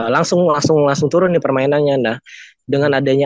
langsung langsung langsung turun di permainannya nah dengan adanya